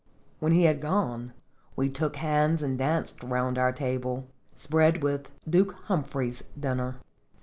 When he had gone, we took hands and danced round our table, spread with "Duke Humphrey's dinner."